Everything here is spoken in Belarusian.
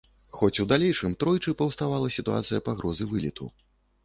Хоць у далейшым тройчы паўставала сітуацыя пагрозы вылету.